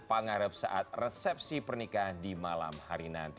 pengarap saat resepsi pernikahan di malam hari nanti